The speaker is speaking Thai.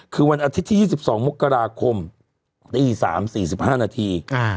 คือวันอาทิตย์ที่๒๒มกราคมตี๓๔๕นาที